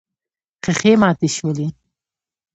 ښيښې ماتې شولې.